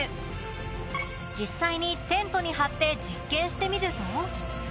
実際にテントに貼って実験してみると。